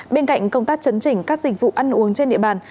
bên cạnh công tác chấn chỉnh các dịch vụ ăn uống trên địa bàn